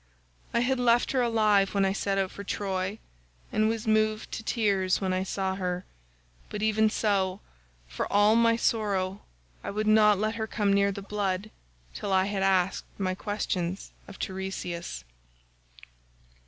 I had left her alive when I set out for Troy and was moved to tears when I saw her, but even so, for all my sorrow I would not let her come near the blood till I had asked my questions of Teiresias.